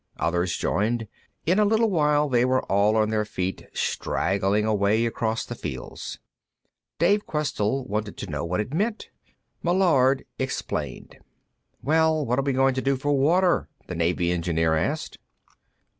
Others joined. In a little while, they were all on their feet, straggling away across the fields. Dave Questell wanted to know what it meant; Meillard explained. "Well, what are we going to do for water?" the Navy engineer asked.